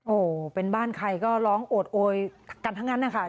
โอ้โหเป็นบ้านใครก็ร้องโอดโอยกันทั้งนั้นนะคะ